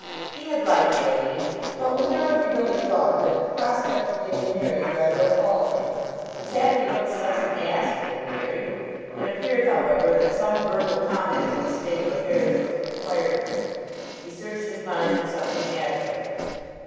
He had liked Aline; but whenever he really thought of it the prospect of getting married rather appalled him. A chappie looked such an ass getting married! It appeared, however, that some verbal comment on the state of affairs was required of him. He searched his mind for something adequate.